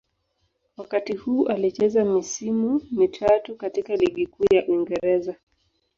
Wakati huu alicheza misimu mitatu katika Ligi Kuu ya Uingereza.